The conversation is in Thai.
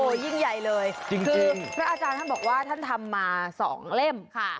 โอ้โหยิ่งใหญ่เลยพระอาจารย์ท่านบอกว่าท่านทำมาสองเล่ม